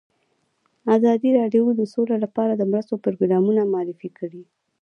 ازادي راډیو د سوله لپاره د مرستو پروګرامونه معرفي کړي.